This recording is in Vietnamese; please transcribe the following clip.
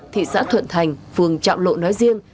thị xã thuận thành phường trạm lộ nói riêng